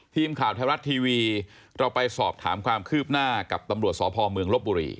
ทีมข่าวไทยรัฐทีวีเราไปสอบถามความคืบหน้ากับตำรวจสพเมืองลบบุรี